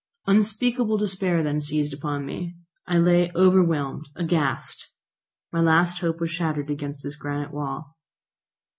Unspeakable despair then seized upon me. I lay overwhelmed, aghast! My last hope was shattered against this granite wall.